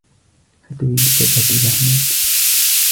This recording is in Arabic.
هل تريد تذهب إلى هناك ؟